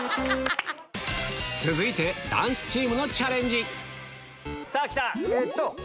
続いて男子チームのチャレンジさぁ来た！